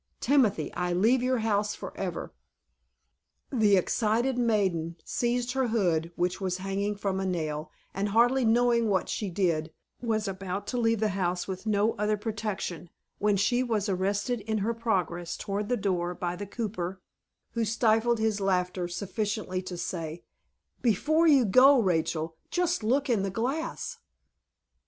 Timothy, I leave your house forever." The excited maiden seized her hood, which was hanging from a nail, and hardly knowing what she did, was about to leave the house with no other protection, when she was arrested in her progress towards the door by the cooper, who stifled his laughter sufficiently to say: "Before you go, Rachel, just look in the glass."